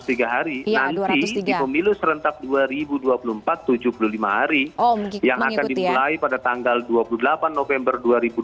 tiga hari nanti di pemilu serentak dua ribu dua puluh empat tujuh puluh lima hari yang akan dimulai pada tanggal dua puluh delapan november dua ribu dua puluh